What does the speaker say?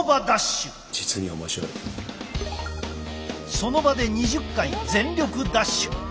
その場で２０回全力ダッシュ。